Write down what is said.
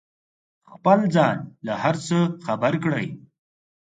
خپل ځان له هر څه خبر کړئ.